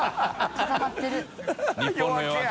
固まってる。